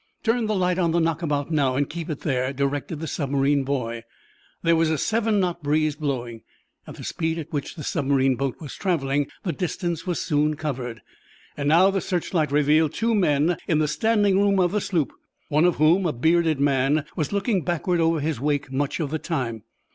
"Turn the light on the knockabout, now, and keep it there," directed the submarine boy. There was a seven knot breeze blowing. At the speed at which the submarine boat was traveling the distance was soon covered. And now the searchlight revealed two men in the standing room of the sloop, one of whom, a bearded man, was looking backward over his wake much of the time.